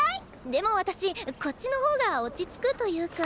でも私こっちの方が落ち着くというか。